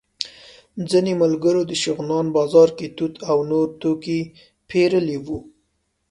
ځینو ملګرو د شغنان بازار کې توت او نور توکي پېرلي وو.